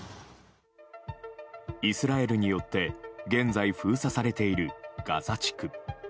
イスラエルによって現在封鎖されているガザ地区。